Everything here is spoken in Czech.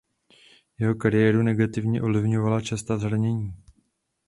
Jeho kariéru negativně ovlivňovala častá zranění.